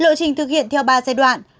lộ trình thực hiện theo ba giai đoạn